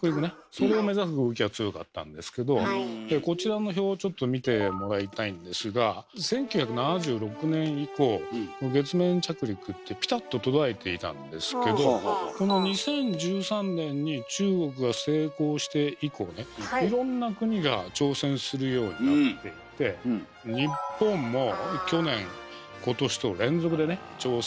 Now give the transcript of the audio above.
それを目指す動きが強かったんですけどでこちらの表をちょっと見てもらいたいんですが１９７６年以降月面着陸ってピタッと途絶えていたんですけどこの２０１３年に中国が成功して以降ねいろんな国が挑戦するようになっていって日本も去年今年と連続でね挑戦してるんですよね。